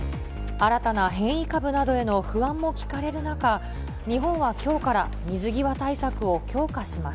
新たな変異株などへの不安も聞かれる中、日本はきょうから、水際対策を強化します。